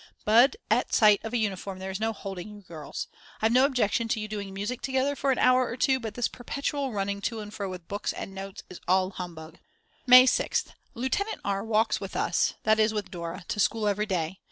But at sight of a uniform there is no holding you girls. I've no objection to you doing music together for an hour or two; but this perpetual running to and fro with books and notes is all humbug." May 6th. Lieutenant R. walks with us, that is with Dora, to school every day.